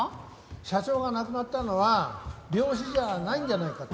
社長が亡くなったのは病死じゃないんじゃないかって言うんです。